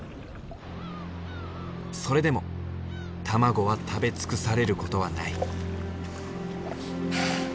それでも卵は食べ尽くされることはない。